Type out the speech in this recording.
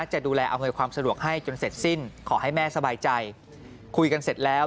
จะดูแลอำนวยความสะดวกให้จนเสร็จสิ้นขอให้แม่สบายใจคุยกันเสร็จแล้ว